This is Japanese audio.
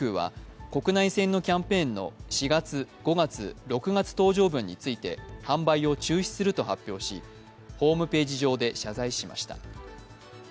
このため日本航空は国内線のキャンペーンの４月、５月、６月の搭乗分について販売を中止すると発表しホームページ上で謝罪しました。